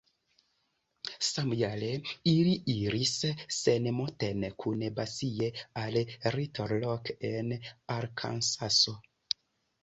Samjare ili iris sen Moten kun Basie al Little Rock en Arkansaso.